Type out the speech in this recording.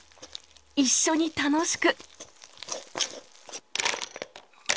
一緒に楽しく！